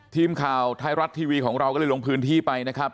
ทีมข่าวไทยรัฐทีวีของเราก็เลยลงพื้นที่ไปนะครับ